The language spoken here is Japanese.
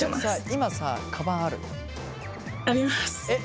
今さカバンある？あります。